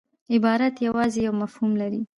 عبارت یوازي یو مفهوم لري.